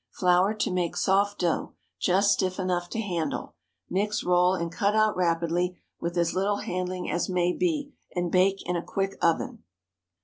Flour to make soft dough—just stiff enough to handle. Mix, roll, and cut out rapidly, with as little handling as may be, and bake in a quick oven.